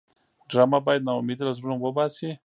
ډرامه باید ناامیدي له زړونو وباسي